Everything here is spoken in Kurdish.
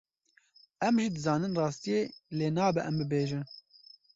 Em jî dizanin rastiyê lê nabe em bibêjin.